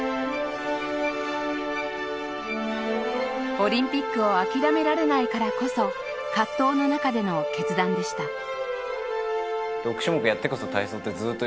オリンピックを諦められないからこそ葛藤の中での決断でした内村：